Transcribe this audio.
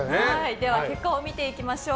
では結果を見ていきましょう。